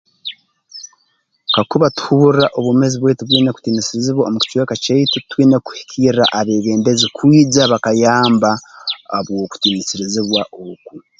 Kakuba tuhurra obwomeezi bwaitu bwine kutiinisirizibwa omu kicweka kyaitu twine kuhikirra abeebembezi kwija bakayamba habw'okutiinisirizibwa oku